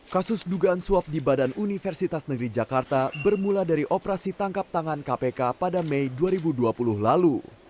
kasus dugaan suap di badan universitas negeri jakarta bermula dari operasi tangkap tangan kpk pada mei dua ribu dua puluh lalu